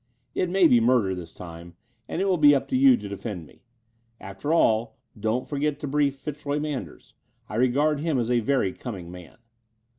"It may be murder this time: and it will be up to you to defend me. Above all, don't forget to brief Fitzroy Manders. I regard him as a very coming man."